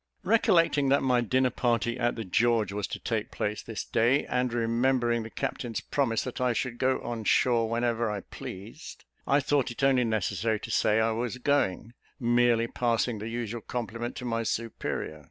Recollecting that my dinner party at the George was to take place this day, and remembering the captain's promise that I should go on shore whenever I pleased, I thought it only necessary to say I was going, merely passing the usual compliment to my superior.